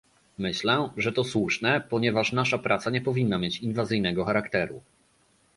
Myślę, że to słuszne, ponieważ nasza praca nie powinna mieć inwazyjnego charakteru